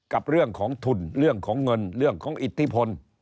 กับเรื่องของทุนเรื่องของเงินเรื่องของอิทธิพล